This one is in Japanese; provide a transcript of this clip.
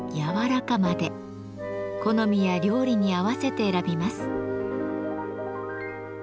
好みや料理に合わせて選びます。